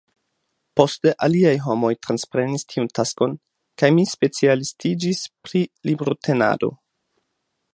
Poste aliaj homoj transprenis tiun taskon, kaj mi specialistiĝis pri librotenado.